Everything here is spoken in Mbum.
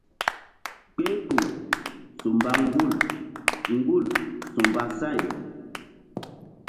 Kpehkpuh ba su mba ŋgul ŋgul su mba sa̧y.